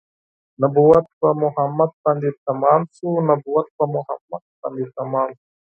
نبوت په محمد باندې تمام شو نبوت په محمد باندې تمام شو